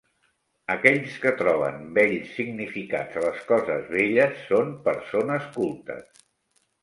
Aquells que troben bells significats a les coses belles són persones cultes.